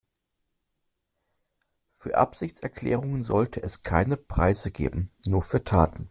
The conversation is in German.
Für Absichtserklärungen sollte es keine Preise geben, nur für Taten.